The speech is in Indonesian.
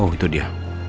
oh itu dia